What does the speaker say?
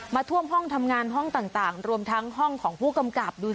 ท่วมห้องทำงานห้องต่างรวมทั้งห้องของผู้กำกับดูสิ